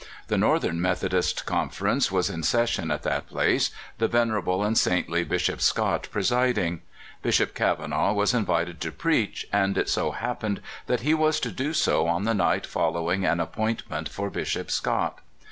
The (Northern) Methodist Confer ence was in session at that place, the venerable and saintly Bishop Scott presiding. Bishop Kava naugh was invited to preach, and it so happened that he was to do so on the night following an ap pointment for Bishop Scott.